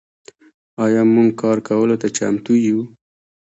آیا موږ کار کولو ته چمتو یو؟